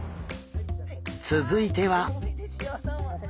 続いては。